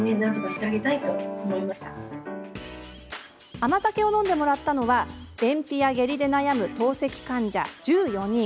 甘酒を飲んでもらったのは便秘や下痢で悩む透析患者１４人。